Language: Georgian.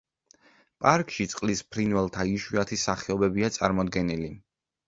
პარკში წყლის ფრინველთა იშვიათი სახეობებია წარმოდგენილი.